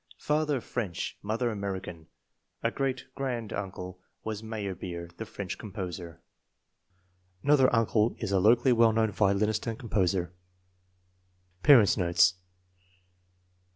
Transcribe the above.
Father French, mother American. A great grand uncle was Meyerbeer, the French composer. Another uncle is a locally well known violinist and composer. Parents 9 notes.